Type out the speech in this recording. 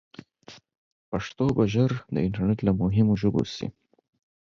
پښتو به ژر د انټرنیټ له مهمو ژبو شي.